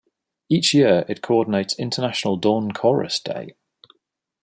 Each year it co-ordinates International Dawn Chorus Day.